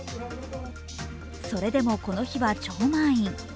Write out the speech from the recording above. それでもこの日は超満員。